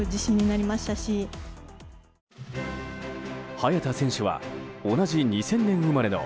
早田選手は同じ２０００年生まれの